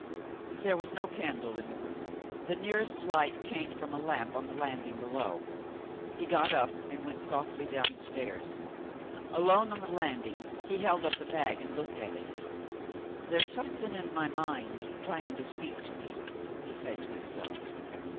There was no candle in the room. The nearest light came from a lamp on the landing below. He got up, and went softly down the stairs. Alone on the landing, he held up the bag and looked at it. "There's something in my mind, trying to speak to me," he said to himself.